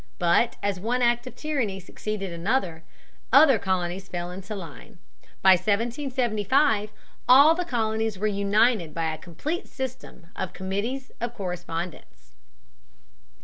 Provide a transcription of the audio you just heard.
But as one act of tyranny succeeded another, other colonies fell into line. By 1775 all the colonies were united by a complete system of Committees of Correspondence.